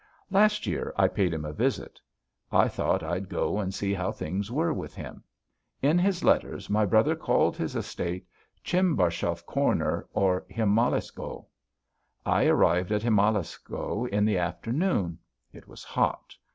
"Last year I paid him a visit. I thought I'd go and see how things were with him. In his letters my brother called his estate Tchimbarshov Corner, or Himalayskoe. I arrived at Himalayskoe in the afternoon. It was hot.